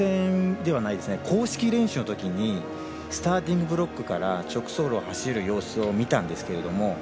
公式練習のときにスターティングブロックから直走路を走る様子を見たんですけど。